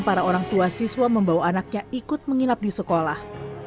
para orang tua siswa membawa anaknya ikut menginap di sekolah